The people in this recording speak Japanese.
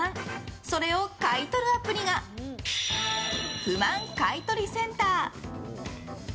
それを買い取るアプリが不満買取センター。